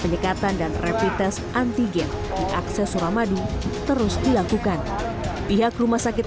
penyekatan dan repit tes antigen diaksesor amadi terus dilakukan pihak rumah sakit